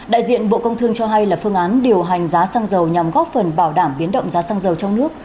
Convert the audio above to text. đại diện bộ công thương cho hay là phương án điều hành giá xăng dầu nhằm góp phần bảo đảm biến động giá xăng dầu trong nước